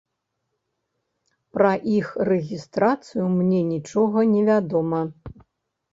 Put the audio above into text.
Пра іх рэгістрацыю мне нічога невядома.